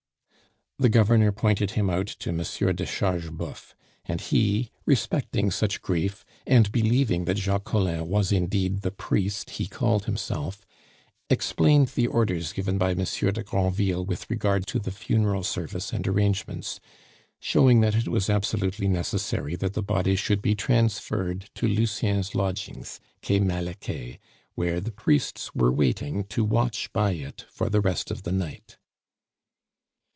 The governor pointed him out to Monsieur de Chargeboeuf; and he, respecting such grief, and believing that Jacques Collin was indeed the priest he called himself, explained the orders given by Monsieur de Granville with regard to the funeral service and arrangements, showing that it was absolutely necessary that the body should be transferred to Lucien's lodgings, Quai Malaquais, where the priests were waiting to watch by it for the rest of the night.